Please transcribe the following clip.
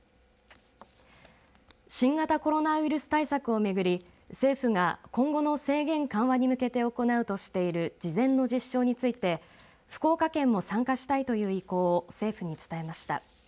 新型コロナウイルス対策をめぐり政府が今後の制限緩和に向けて行うとしている事前の実証について福岡県も参加したいという意向を政府に伝えました。